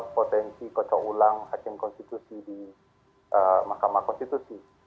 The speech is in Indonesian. potensi kocok ulang hakim konstitusi di mahkamah konstitusi